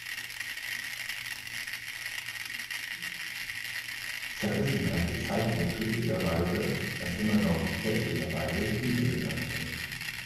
Zerrissenheit bezeichnet richtiger Weise, was immer noch, fälschlicherweise, Liebe genannt wird.